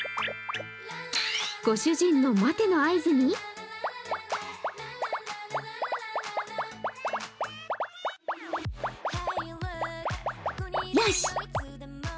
ご主人の「待て」の合図によし！